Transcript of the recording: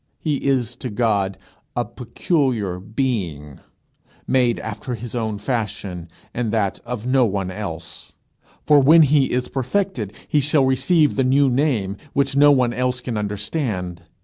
He is to God a peculiar being, made after his own fashion, and that of no one else; for when he is perfected he shall receive the new name which no one else can understand.